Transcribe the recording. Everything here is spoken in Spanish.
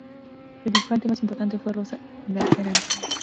Su dibujante más importante fue Rosa Galcerán.